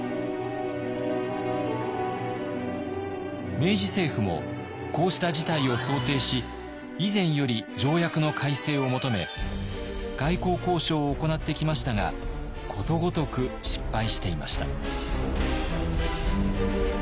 明治政府もこうした事態を想定し以前より条約の改正を求め外交交渉を行ってきましたがことごとく失敗していました。